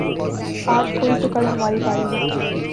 آج کوئی تو کل ہماری باری ہے